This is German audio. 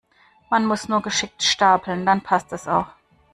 Man muss nur geschickt Stapeln, dann passt es auch.